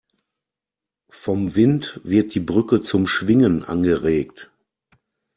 Vom Wind wird die Brücke zum Schwingen angeregt.